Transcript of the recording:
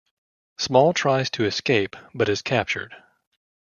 Small tries to escape but is captured.